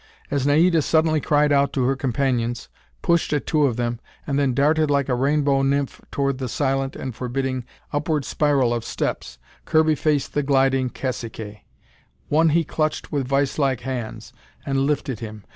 As Naida suddenly cried out to her companions, pushed at two of them, and then darted like a rainbow nymph toward the silent and forbidding upward spiral of steps, Kirby faced the gliding caciques. One he clutched with viselike hands, and lifted him.